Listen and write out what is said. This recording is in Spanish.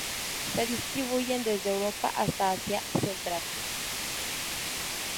Se distribuyen desde Europa hasta Asia central.